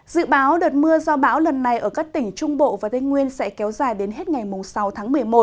dự báo đợt mưa do bão lần này ở các tỉnh trung bộ và tây nguyên sẽ kéo dài đến hết ngày sáu tháng một mươi một